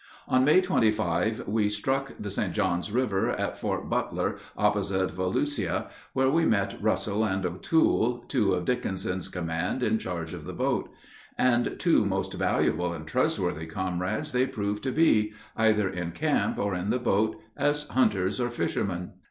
On May 25 we struck the St. John's River at Fort Butler, opposite Volusia, where we met Russell and O'Toole, two of Dickinson's command, in charge of the boat; and two most valuable and trustworthy comrades they proved to be, either in camp or in the boat, as hunters or fishermen.